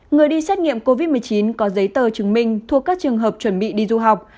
người đi xét nghiệm covid một mươi chín có giấy tờ chứng minh thuộc các trường hợp chuẩn bị đi du học